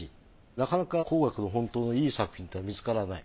なかなか光岳の本当のいい作品っていうのは見つからない。